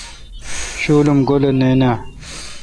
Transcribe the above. شُول ام گولے نان آ؟